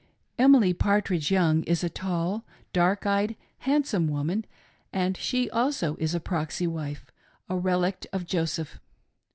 ] Emily Partridge Young is a tall, dark eyed, handsome 'Woman, and she also is a "proxy" wife — a relict of Joseph.